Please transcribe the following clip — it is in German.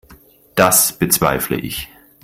Das bezweifle ich.